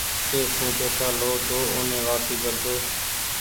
ڪي سون پئيسا لئو تو اوني واپسي ڪرۮو۔